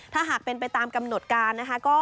ถ้าหากเป็นไปตามกำหนดการนะคะ